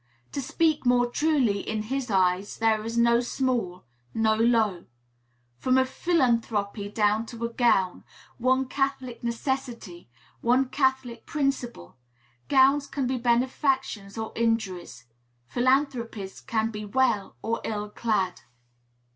To speak more truly, in his eyes there is no small, no low. From a philanthropy down to a gown, one catholic necessity, one catholic principle; gowns can be benefactions or injuries; philanthropies can be well or ill clad.